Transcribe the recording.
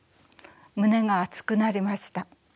胸が熱くなりました。